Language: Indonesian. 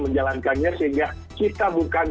menjalankannya sehingga kita bukan